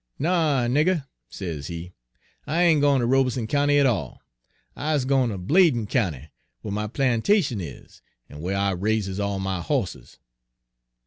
" 'No, nigger,' sezee, 'I ain' gwine ter Robeson County at all. I's gwine ter Bladen County, whar my plantation is, en whar I raises all my hosses.'